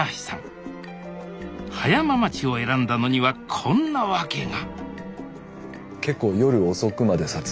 葉山町を選んだのにはこんな訳が！